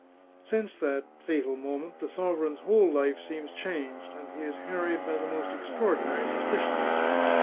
" Since that fatal moment, the sovereign's whole life seems changed, and he is harried by the most extraordinary suspicions.